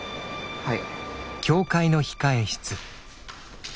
はい。